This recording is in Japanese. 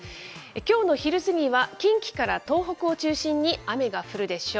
きょうの昼過ぎは近畿から東北を中心に、雨が降るでしょう。